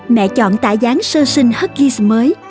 mẹ chọn tả gián sơ sinh huggies mới